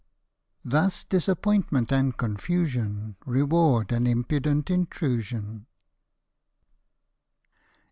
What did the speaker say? Thus disappointment and confusion Reward an impudent intrusion.